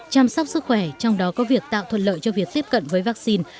chăm sóc sức khỏe trong đó có việc tạo thuận lợi cho việc tiếp cận với vaccine